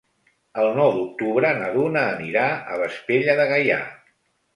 El nou d'octubre na Duna anirà a Vespella de Gaià.